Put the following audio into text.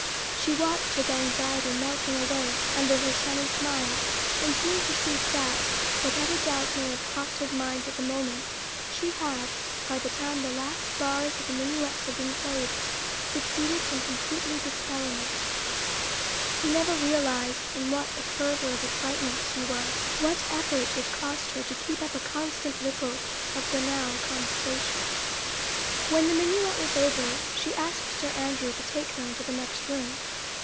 She watched his anxiety melting away under her sunny smile, and soon perceived that, whatever doubt may have crossed his mind at the moment, she had, by the time the last bars of the minuet had been played, succeeded in completely dispelling it; he never realised in what a fever of excitement she was, what effort it cost her to keep up a constant ripple of banal conversation. When the minuet was over, she asked Sir Andrew to take her into the next room.